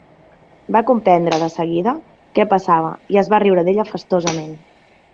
Va comprendre de seguida què passava i es va riure d'ella festosament.